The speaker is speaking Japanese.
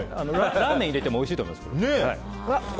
ラーメン入れてもおいしいと思います。